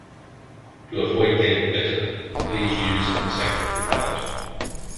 To avoid getting bitten, please use insect repellent